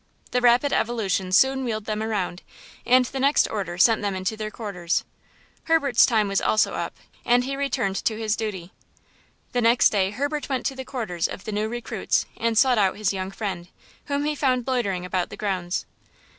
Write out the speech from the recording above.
The rapid evolutions soon wheeled them around, and the next order set them into their quarters. Herbert's time was also up, and he returned to his duty. The next day Herbert went to the quarters of the new recruits and sought out his young friend, whom he found loitering about the grounds.